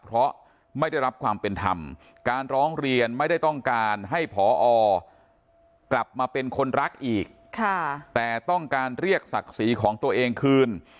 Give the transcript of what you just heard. เพราะไม่ได้รับความเป็นธรรมการร้องเรียนไม่ได้ต้องการให้ผอกลับมาเป็นคนรักอีกแต่ต้องการเรียกศักดิ์ศรีของตัวเองคืน